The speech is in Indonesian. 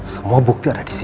semua bukti ada di sini